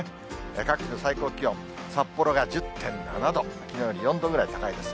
各地の最高気温、札幌が１０．７度、きのうより４度ぐらい高いです。